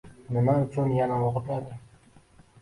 Nima uchun yana o‘g‘irlading?